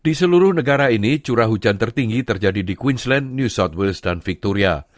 di seluruh negara ini curah hujan tertinggi terjadi di queensland new south wales dan victoria